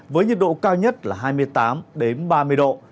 với nhiệt độ cao nhất là hai mươi tám ba mươi độ